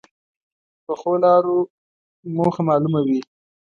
پخو لارو موخه معلومه وي